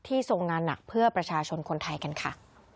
ทรงงานหนักเพื่อประชาชนคนไทยกันค่ะ